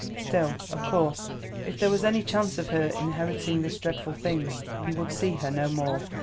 Still, of course, if there was any chance of her inheriting this dreadful thing, he would see her no more.